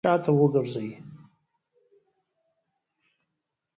شاته وګرځئ!